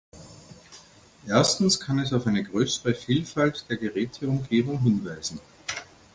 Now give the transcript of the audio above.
Erstens kann es auf eine größere Vielfalt der Geräteumgebung hinweisen.